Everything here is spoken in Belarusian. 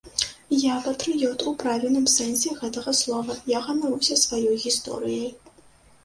Я патрыёт у правільным сэнсе гэтага слова, я ганаруся сваёй гісторыяй.